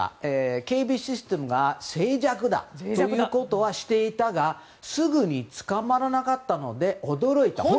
警備システムが脆弱だということは知っていたがすぐに捕まらなかったので驚いた。